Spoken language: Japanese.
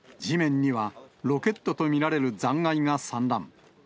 地面には、ロケットと見られる残骸が散乱。